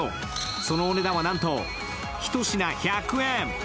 そのお値段はなんと一品１００円。